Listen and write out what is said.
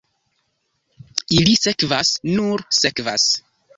Ili sekvas, nur sekvas.